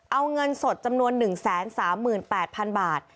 เอาเงินสดจำนวน๑๓๘๐๐๐บาท